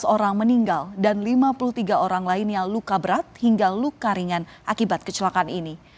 tujuh belas orang meninggal dan lima puluh tiga orang lainnya luka berat hingga luka ringan akibat kecelakaan ini